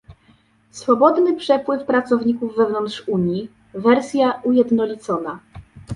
Swobodny przepływ pracowników wewnątrz Unii - wersja ujednolicona